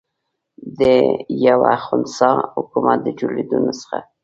د یوه خنثی حکومت د جوړېدلو نسخه.